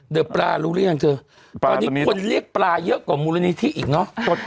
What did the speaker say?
เดอะปลารู้หรือยังเธอวันนี้คนเรียกปลาเยอะกว่ามูลณีที่อีกเนาะ